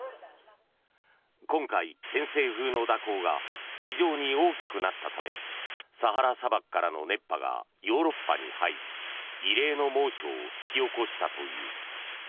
今回、偏西風の蛇行が非常に大きくなったためサハラ砂漠からの熱波がヨーロッパに入り異例の猛暑を引き起こしたという。